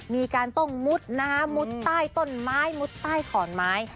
มีการต้องมุดน้ำมุดใต้ต้นไม้มุดใต้ขอนไม้